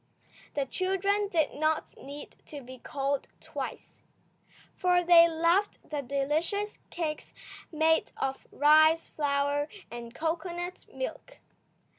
The children did not need to be called twice, for they loved the delicious cakes made of rice flour and cocoanut milk.